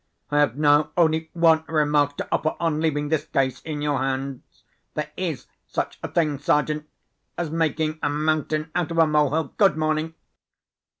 "I have now only one remark to offer on leaving this case in your hands. There is such a thing, Sergeant, as making a mountain out of a molehill. Good morning."